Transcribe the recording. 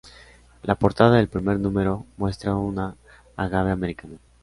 La portada del primer número muestra una "Agave americana".